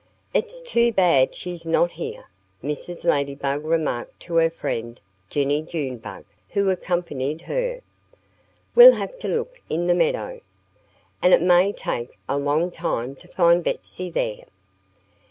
"It's too bad she's not here," Mrs. Ladybug remarked to her friend Jennie Junebug, who accompanied her. "We'll have to look in the meadow. And it may take a long time to find Betsy there."